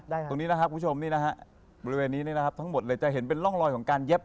ตรงนี้นะครับคุณผู้ชมนี่นะฮะบริเวณนี้นี่นะครับทั้งหมดเลยจะเห็นเป็นร่องรอยของการเย็บ